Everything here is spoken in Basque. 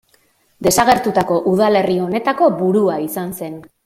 Desagertutako udalerri honetako burua izan zen.